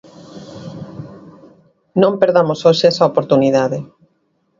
Non perdamos hoxe esa oportunidade.